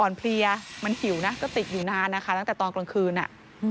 เพลียมันหิวนะก็ติดอยู่นานนะคะตั้งแต่ตอนกลางคืนอ่ะ